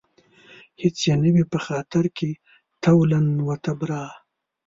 هېڅ يې نه وي په خاطر کې تولاً و تبرا